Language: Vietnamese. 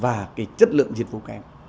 và cái chất lượng dịch vụ kém